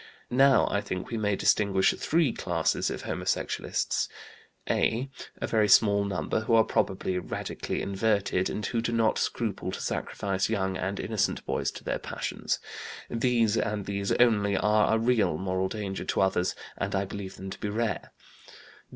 Now, I think we may distinguish three classes of school homosexualists: "(a) A very small number who are probably radically inverted, and who do not scruple to sacrifice young and innocent boys to their passions. These, and these only, are a real moral danger to others, and I believe them to be rare.